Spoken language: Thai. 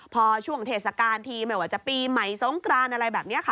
พอช่วงเทศกาลทีไม่ว่าจะปีใหม่สงกรานอะไรแบบนี้ค่ะ